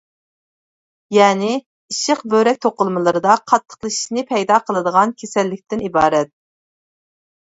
يەنى ئىششىق بۆرەك توقۇلمىلىرىدا قاتتىقلىشىشنى پەيدا قىلىدىغان كېسەللىكتىن ئىبارەت.